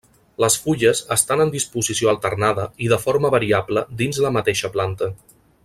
Les fulles estan en disposició alternada i de forma variable dins la mateixa planta.